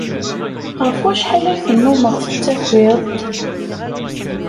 Ɣef wacḥal ay tennumeḍ tettakiḍ-d?